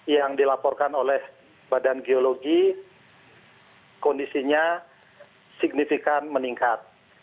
yang dilaporkan oleh badan geologi kondisinya signifikan meningkat